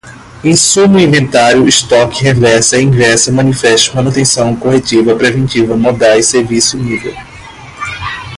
insumo inventário estoque reversa inversa manifesto manutenção corretiva preventiva modais serviço nível